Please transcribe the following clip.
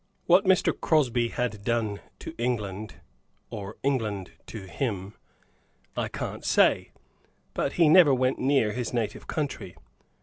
What Mr. Crosby had done to England, or England to him, I can't say, but he never went near his native country.